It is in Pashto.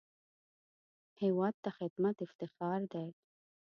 هېواد ته خدمت افتخار دی